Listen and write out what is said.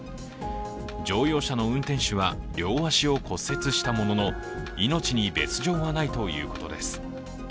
乗用車の運転手は両足を骨折したものの命に別状はないということです。